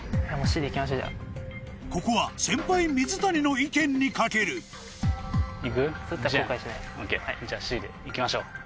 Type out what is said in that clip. ここは先輩水谷の意見にかけるＯＫじゃあＣで行きましょう。